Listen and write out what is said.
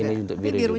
ini untuk biru juga